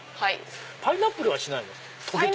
パイナップルはしないの？